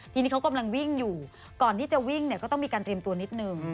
ทีนี้เขากำลังวิ่งอยู่ก่อนที่จะวิ่งเนี่ยก็ต้องมีการเตรียมตัวนิดนึง